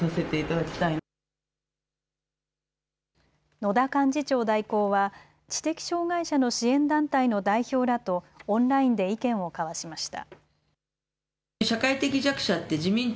野田幹事長代行は知的障害者の支援団体の代表らとオンラインで意見を交わしました。